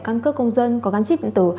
căn cước công dân có găng chích viện tử